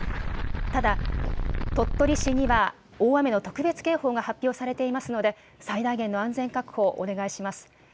ただ、鳥取市には大雨の特別警報が発表されていますので、最大限の安全確保をお願いします。